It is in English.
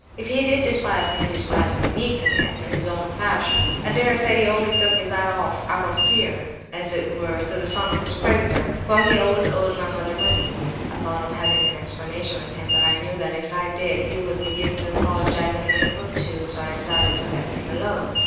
If he did despise me, he despised me 'meekly,' after his own fashion. "I dare say he only took his hat off out of fear, as it were, to the son of his creditor; for he always owed my mother money. I thought of having an explanation with him, but I knew that if I did, he would begin to apologize in a minute or two, so I decided to let him alone.